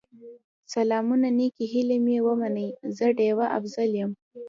سلامونه نیکې هیلې مې ومنئ، زه ډيوه افضل یم